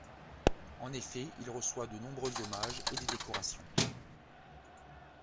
En effet, il reçoit de nombreux hommages et des décorations.